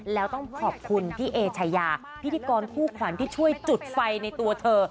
แล้วต้องขอบคุณพี่เอชายาพิธีกรคู่ขวัญที่ช่วยจุดไฟในตัวเธอ